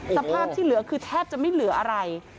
สภาพที่เหลือคือแทบจะไม่เหลืออะไร